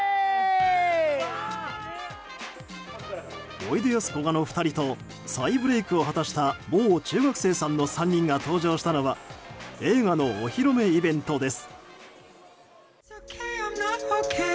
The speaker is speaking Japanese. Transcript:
おいでやすこがの２人と再ブレークを果たしたもう中学生さんの３人が登場したのは映画のお披露目イベントです。